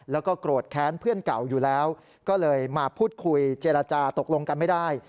แล้วก็โกรธแค้นเพื่อนเก่าอยู่แล้วก็เลยมาพูดคุยเจรจาตกลงกันไม่ได้